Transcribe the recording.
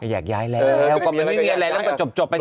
แยกย้ายแล้วไม่มีอะไรมาก็จบไปสิ